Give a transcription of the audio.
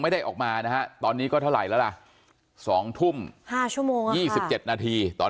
ไม่ได้ออกมานะฮะตอนนี้ก็เท่าไหร่แล้วล่ะ๒ทุ่ม๕ชั่วโมง๒๗นาทีตอน